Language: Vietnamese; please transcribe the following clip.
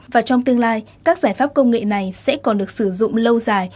và trong tương lai các giải pháp công nghệ này sẽ còn được sử dụng lâu dài